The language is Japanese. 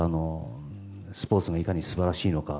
スポーツがいかに素晴らしいのか。